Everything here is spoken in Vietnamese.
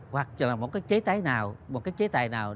hoặc là một cái chế tài nào